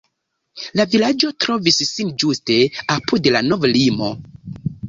La vilaĝo trovis sin ĝuste apud la nova limo.